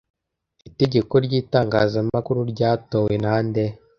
Itegeko ryitangazamakuru ryatowe nande